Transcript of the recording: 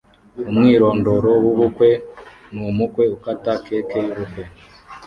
Umwirondoro wumukwe nu mukwe ukata cake yubukwe